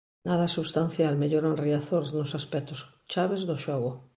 Nada substancial mellora en Riazor nos aspectos chaves do xogo.